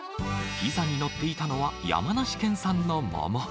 ピザに載っていたのは、山梨県産の桃。